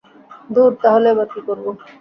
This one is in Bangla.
ধুর, তাহলে এবার কী করব?